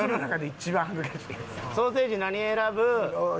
ソーセージ何選ぶ？